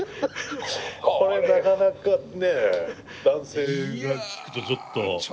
これなかなかね男性が聞くとちょっと。